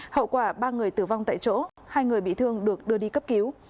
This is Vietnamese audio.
hậu quả ba người tử vong tại chỗ hai người bị thương được đưa đi cấp cứu